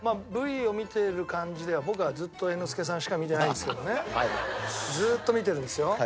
Ｖを見てる感じでは僕はずっと猿之助さんしか見てないんですけどね。